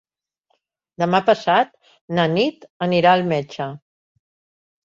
Demà passat na Nit anirà al metge.